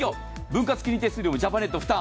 分割金利手数料もジャパネット負担。